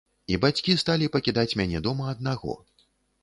І бацькі сталі пакідаць мяне дома аднаго.